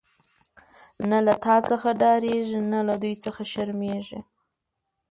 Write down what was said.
نه له تا څخه ډاريږی، نه له دوی څخه شرميږی